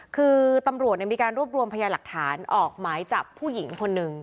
คือตำรวจมีการรวบรวมพยาหลักฐานออกหมายจับผู้หญิงคนหนึ่ง